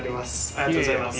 ありがとうございます。